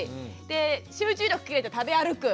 で集中力切れて食べ歩く。